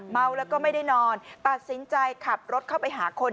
เมาแล้วก็ไม่ได้นอนตัดสินใจขับรถเข้าไปหาคน